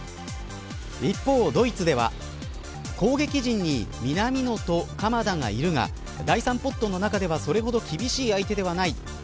一方、ドイツでは攻撃陣に南野と鎌田がいるが第３ポットの中ではそれほど厳しい相手ではない。